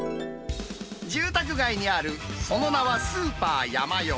住宅街にあるその名はスーパーヤマヨ。